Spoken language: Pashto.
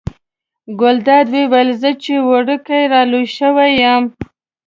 ګلداد وویل زه چې وړوکی را لوی شوی یم.